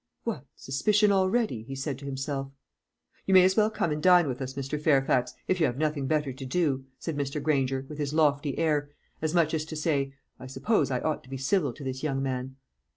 "What! suspicious already?" he said to himself. "You may as well come and dine with us, Mr. Fairfax, if you have nothing better to do," said Mr. Granger, with his lofty air, as much as to say, "I suppose I ought to be civil to this young man."